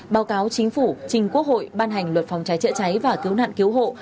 báo cáo chính phủ trình quốc hội ban hành luật phòng cháy chữa cháy và cứu nạn cứu hộ